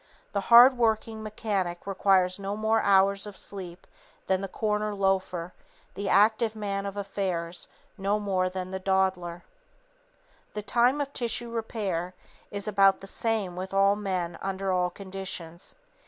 The hard working mechanic requires no more hours of sleep than the corner loafer, the active man of affairs no more than the dawdler. [Sidenote: Ratio Between Repair and Demand] _The time of tissue repair is about the same with all men under all conditions.